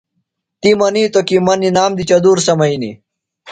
تی منیتو کی مہ نِنام دی چدُور سمئینی۔